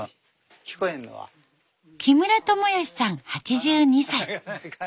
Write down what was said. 木村友好さん８２歳。